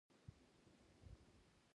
د شهید کرزي تلین مراسم په دې چمن کې وو.